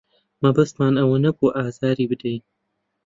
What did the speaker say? مەبەستمان ئەوە نەبوو ئازاری بدەین.